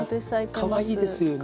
かわいいですよね